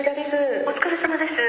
お疲れさまです。